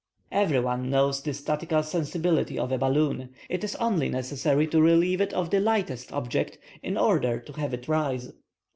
Every one knows the statical sensibility of a balloon. It is only necessary to relieve it of the lightest object in order to have it rise.